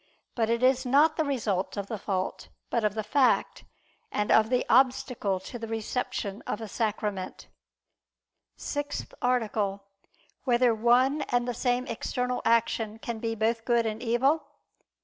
But it is not the result of the fault, but of the fact, and of the obstacle to the reception of a sacrament. ________________________ SIXTH ARTICLE [I II, Q. 20, Art. 6] Whether One and the Same External Action Can Be Both Good and Evil?